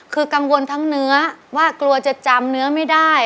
คือกังวลทั้งเนื้อว่ากลัวจะจำเนื้อไม่ได้